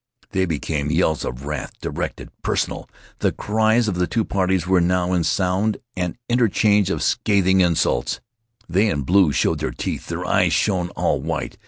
They became yells of wrath, directed, personal. The cries of the two parties were now in sound an interchange of scathing insults. They in blue showed their teeth; their eyes shone all white.